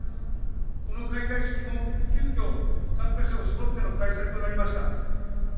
この開会式も急きょ参加者を絞っての開催となりました。